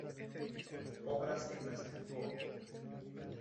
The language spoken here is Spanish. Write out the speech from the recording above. Obras en las que actuó:.